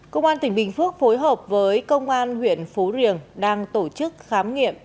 công an tỉnh bình phước phối hợp với công an huyện phú riềng đang tổ chức khám nghiệm